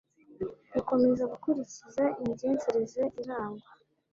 gukomeza gukurikiza imigenzereze irangwa